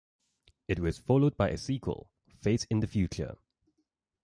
It was followed by a sequel, "Faith in the Future".